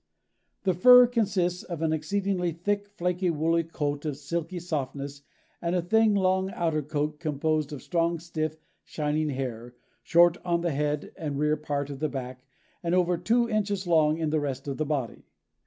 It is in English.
"The fur consists of an exceedingly thick, flaky, woolly coat of silky softness and a thin, long outer coat composed of strong, stiff, shining hair, short on the head and rear part of the back and over two inches long on the rest of the body."